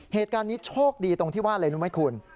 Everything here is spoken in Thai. เหตุการณ์นี้โชคดีตรงที่ว่าอะไรรู้ไหมคุณ